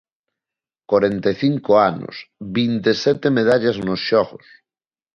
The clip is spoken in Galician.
Corenta e cincos anos, vinte e sete medallas nos xogos.